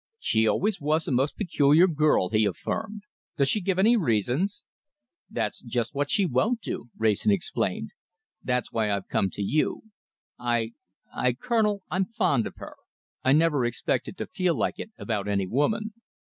"She always was a most peculiar girl," he affirmed. "Does she give any reasons?" "That's just what she won't do," Wrayson explained. "That's just why I've come to you. I I Colonel, I'm fond of her. I never expected to feel like it about any woman."